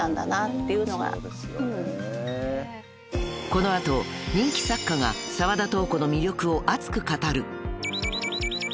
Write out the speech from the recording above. ［この後人気作家が澤田瞳子の魅力を熱く語る］